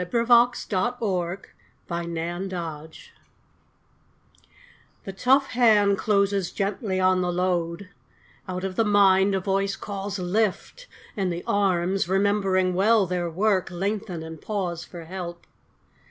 62 MAN CARRYING BALE r I ^HE tough hand closes gently on the load ; X Out of the mind, a voice Calls " Lift !" and the arms, remembering well their work, Lengthen and pause for help.